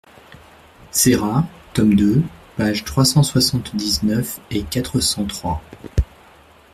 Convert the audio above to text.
Serra, tome deux, pages trois cent soixante-dix-neuf et quatre cent trois.